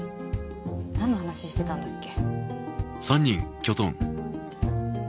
なんの話してたんだっけ？